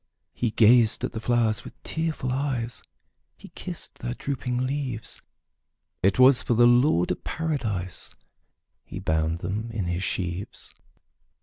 '' He gazed at the flowers with tearful eyes, He kissed their drooping leaves; It was for the Lord of Paradise He bound them in his sheaves.